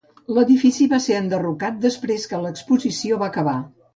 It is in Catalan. L'edifici va ser enderrocat després que l'exposició va acabar.